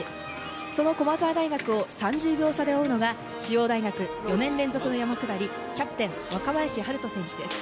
その駒澤大学を３０秒差で追うのが中央大学４年連続の山下り、キャプテン・若林陽大選手です。